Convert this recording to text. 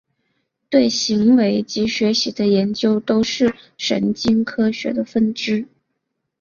对行为及学习的研究都是神经科学的分支。